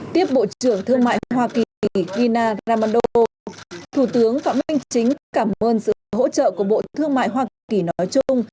tiếp bộ trưởng thương mại hoa kỳ gina ramando thủ tướng phạm minh chính cảm ơn sự hỗ trợ của bộ thương mại hoa kỳ nói chung